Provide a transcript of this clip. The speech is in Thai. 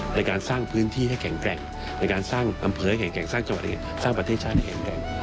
ในการสร้างพื้นที่ให้แข็งแกร่งในการสร้างอำเภอให้สร้างประเทศชาติให้แข็งแกร่ง